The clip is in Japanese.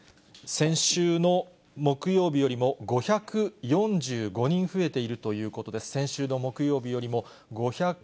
先週の木曜日よりも５４５人増えているということです。